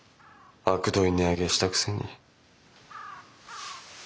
あくどい値上げしたくせに。